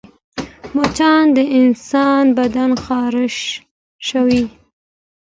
مچان د انسان بدن خارشوي